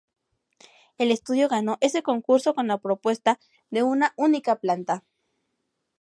El estudio ganó ese concurso con la propuesta de una única planta.